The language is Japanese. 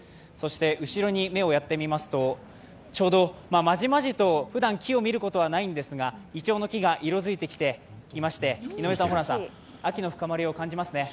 後ろに目をやってみますとまじまじとふだん木を見ることはないんですがいちょうの木が色づいてきていまして、秋の深まりを感じますね。